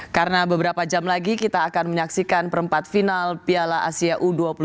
karena beberapa jam lagi kita akan menyaksikan perempat final piala asia u dua puluh tiga